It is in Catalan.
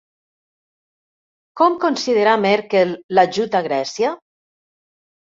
Com considerà Merkel l'ajut a Grècia?